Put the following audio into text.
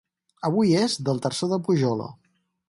Avui és del terçó de Pujòlo.